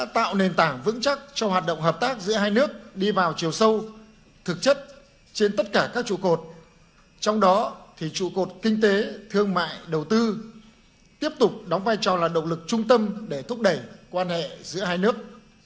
trong đó thì trụ cột kinh tế thương mại đầu tư tiếp tục đóng vai trò là động lực trung tâm để thúc đẩy quan hệ giữa hai nước